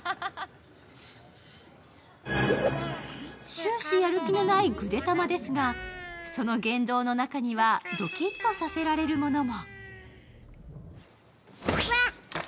終始やる気のないぐでたまですが、その言動の中にはドキッとさせられるものも。